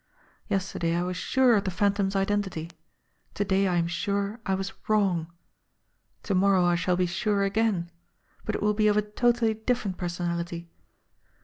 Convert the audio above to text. Yesterday I was sure of the Phantom's identity; to day I am sure I was wrong; to morrow I shall be sure again but it will be of a totally different personality.